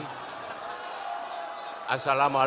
assalamu'alaikum warahmatullahi wabarakatuh